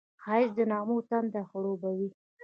ښایست د نغمو تنده خړوبوي